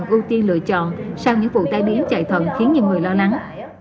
những bệnh nhân trẻ thận ưu tiên được lựa chọn sau những vụ tai điểm trẻ thận khiến nhiều người lo lắng